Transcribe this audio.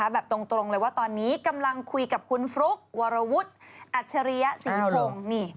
แบบตรงเลยว่าตอนนี้กำลังคุยกับคุณฟลุ๊กวารวุฒิ์อัชรีสีโพง